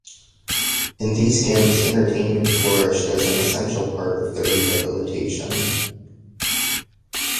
In these camps entertainment flourished as an essential part of their rehabilitation.